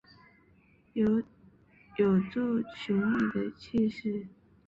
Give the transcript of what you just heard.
有著雄伟的气势